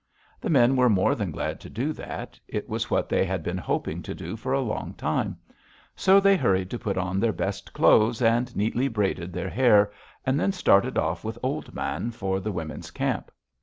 "The men were more than glad to do that; it was what they had been hoping to do for a long time; so they hurried to put on their best clothes, and neatly braided their hair, and then started off with Old Man for the women's camp.